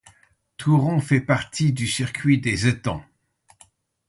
Thouron fait partie du Circuit des étangs.